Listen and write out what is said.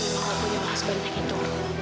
saya mau punya mas benek itu